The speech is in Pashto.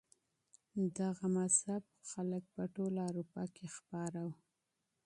د مذهب نفوذ په ټوله اروپا کي خپور و.